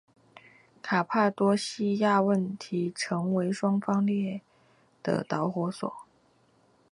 卡帕多细亚问题成为双方决裂的导火索。